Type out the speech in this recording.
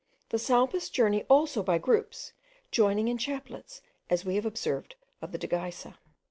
The salpas journey also by groups, joining in chaplets, as we have observed of the dagysa.